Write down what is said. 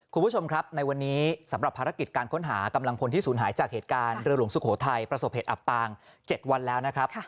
คุณผู้ชมครับในวันนี้สำหรับภารกิจการค้นหากำลังพลที่ศูนย์หายจากเหตุการณ์เรือหลวงสุโขทัยประสบเหตุอับปาง๗วันแล้วนะครับ